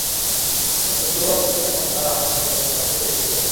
অথচ এখন তা আমার নিকট সবচেয়ে বেশী প্রিয় শহর।